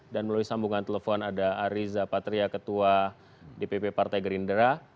dan melalui sambungan telepon ada ariza patria ketua dpp partai gerindera